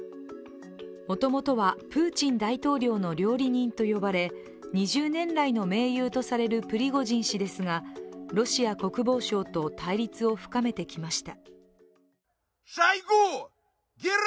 もともとはプーチン大統領の料理人と呼ばれ２０年来の盟友とされるプリゴジン氏ですがロシア国防省と対立を深めてきました。